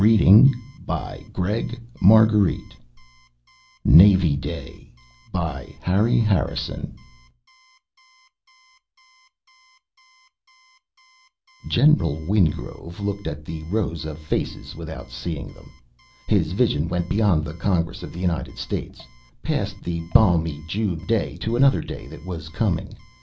_ NAVY DAY By Harry Harrison Illustrated by Kelly Freas General Wingrove looked at the rows of faces without seeing them. His vision went beyond the Congress of the United States, past the balmy June day to another day that was coming.